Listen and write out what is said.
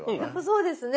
そうですね。